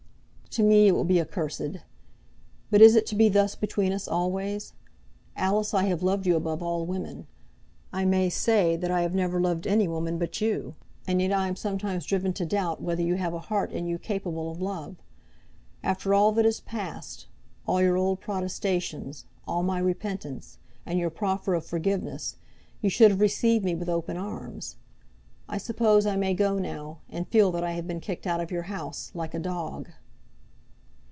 "To me it will be accursed. But is it to be thus between us always? Alice, I have loved you above all women. I may say that I have never loved any woman but you; and yet I am sometimes driven to doubt whether you have a heart in you capable of love. After all that has passed, all your old protestations, all my repentance, and your proffer of forgiveness, you should have received me with open arms. I suppose I may go now, and feel that I have been kicked out of your house like a dog."